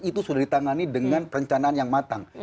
itu sudah ditangani dengan perencanaan yang matang